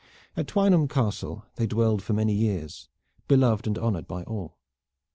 At Twynham Castle they dwelled for many years, beloved and honored by all.